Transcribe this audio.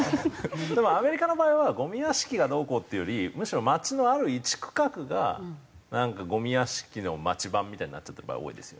でもアメリカの場合はゴミ屋敷がどうこうっていうよりむしろ街のある一区画がゴミ屋敷の街版みたいになっちゃった場合が多いですよね。